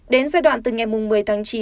đến giai đoạn từ ngày một mươi chín đến trước